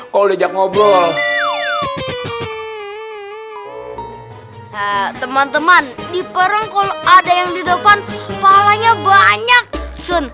kalau diajak ngobrol teman teman di perengkul ada yang di depan palanya banyak sun